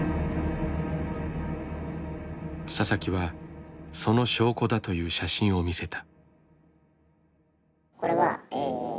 ササキはその証拠だという写真を見せた。